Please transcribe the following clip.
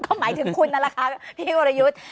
ก็หมายถึงคุณนั่นแหละครับพี่วรยุทธ์